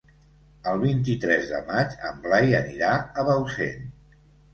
El vint-i-tres de maig en Blai anirà a Bausen.